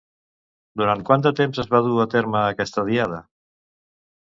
Durant quant de temps es va dur a terme aquesta diada?